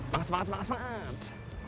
banget sempat sempat sempat